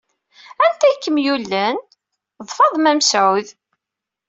Anta ay kem-yullen? D Faḍma Mesɛud.